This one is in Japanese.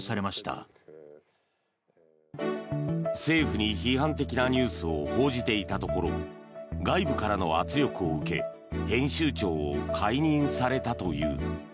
政府に批判的なニュースを報じていたところ外部からの圧力を受け編集長を解任されたという。